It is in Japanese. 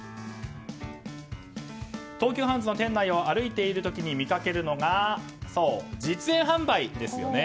東急ハンズの店内を歩いている時に見かけるのがそう、実演販売ですよね。